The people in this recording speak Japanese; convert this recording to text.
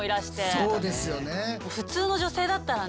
そうですよね。